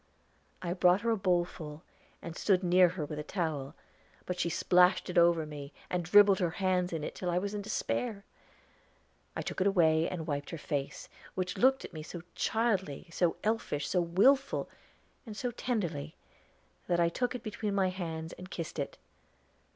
I brought her a bowl full, and stood near her with a towel; but she splashed it over me, and dribbled her hands in it till I was in despair. I took it away and wiped her face, which looked at me so childly, so elfish, so willful, and so tenderly, that I took it between my hands and kissed it.